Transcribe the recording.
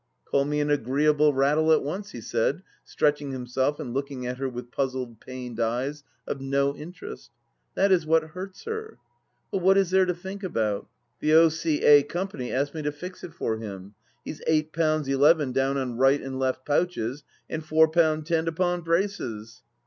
" Call me an agreeable rattle at once !" he said, stretching himself and lookiag at her with puzzled, pained eyes of no interest — ^that is what hurts her. ... "Well, what is there to think about? The O.C.A.Coy. asked me to fix it for him. He's eight pounds eleven down on right and left pouches, and four pound ten upon braces